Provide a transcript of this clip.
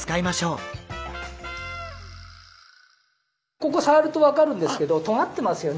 ここさわると分かるんですけどとがってますよね。